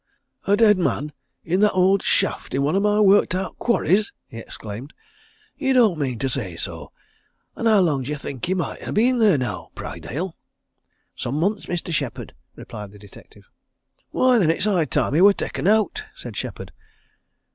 "A dead man i' that old shaft i' one o' my worked out quarries!" he exclaimed. "Ye don't mean to say so! An' how long d'yer think he might ha' been there, now, Prydale?" "Some months, Mr. Shepherd," replied the detective. "Why, then it's high time he were taken out," said Shepherd.